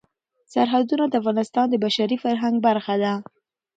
سرحدونه د افغانستان د بشري فرهنګ برخه ده.